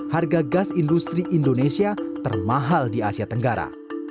harga gas industri indonesia termahal di asia tenggara